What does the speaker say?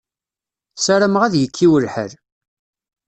Sarameɣ ad yekkiw lḥal.